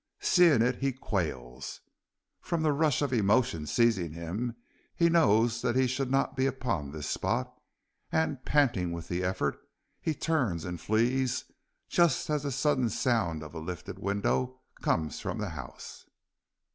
Seeing it he quails. From the rush of emotion seizing him, he knows that he should not be upon this spot, and panting with the effort, he turns and flees just as the sudden sound of a lifted window comes from the house.